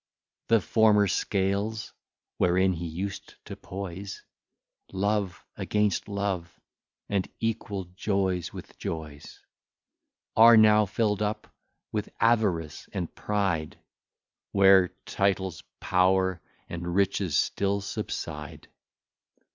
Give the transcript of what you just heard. The former scales, wherein he used to poise Love against love, and equal joys with joys, Are now fill'd up with avarice and pride, Where titles, power, and riches, still subside.